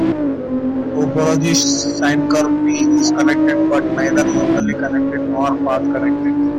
The topologist's sine curve "T" is connected but neither locally connected nor path connected.